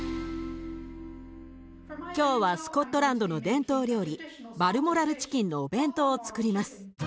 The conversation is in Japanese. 今日はスコットランドの伝統料理バルモラルチキンのお弁当をつくります。